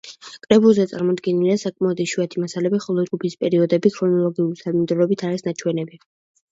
კრებულზე წარმოდგენილია საკმაოდ იშვიათი მასალები, ხოლო ჯგუფის პერიოდები ქრონოლოგიური თანმიმდევრობით არის ნაჩვენები.